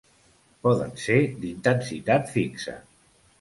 Poden ser d'intensitat fixa.